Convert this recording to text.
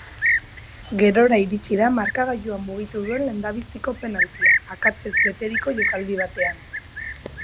Gerora iritsi da markagailua mugitu duen lehendabiziko penaltia, akatsez beteriko jokaldi batean.